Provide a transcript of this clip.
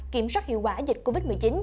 kiểm soát hiệu quả dịch covid một mươi chín